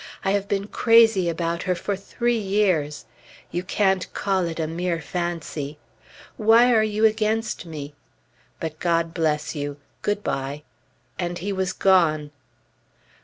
I have been crazy about her for three years; you can't call it a mere fancy. Why are you against me? But God bless you! Good bye!" And he was gone.